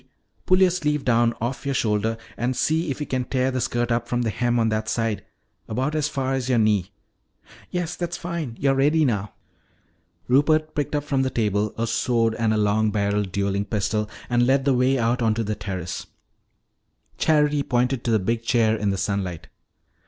Pull your sleeve down off your shoulder and see if you can tear the skirt up from the hem on that side about as far as your knee. Yes, that's fine. You're ready now." Rupert picked up from the table a sword and a long barrelled dueling pistol and led the way out onto the terrace. Charity pointed to the big chair in the sunlight.